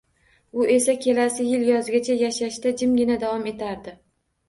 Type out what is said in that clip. U esa kelasi yil yozgacha yashashda jimgina davom etardi.